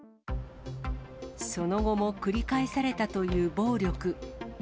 その後も繰り返されたという暴力。